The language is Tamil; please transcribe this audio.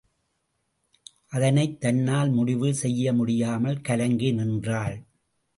அதனைத் தன்னால் முடிவு செய்யமுடியாமல் கலங்கி நின்றாள்.